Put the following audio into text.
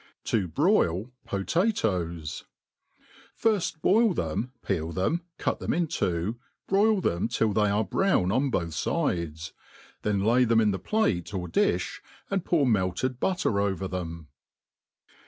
To broil Poiatots. FIRST boll them, peel them, cut them in two, broil them till they are brown on both Gdes; then lay then» in the plate or diih, and pour melted butter over them.